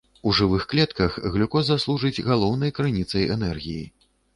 У жывых клетках глюкоза служыць галоўнай крыніцай энергіі.